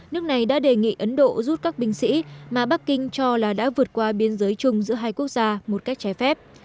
nước này đã đề nghị ấn độ rút các binh sĩ mà bắc kinh cho là đã vượt qua biên giới chung giữa hai quốc gia một cách trái phép